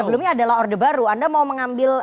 sebelumnya adalah orde baru anda mau mengambil